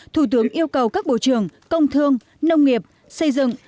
thủ tướng yêu cầu các bộ trưởng công thương nông nghiệp xây dựng